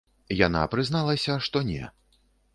Яна прызналася, што не.